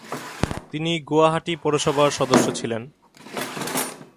তিনি গুয়াহাটি পৌরসভার সদস্য ছিলেন।